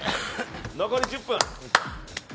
残り１０分。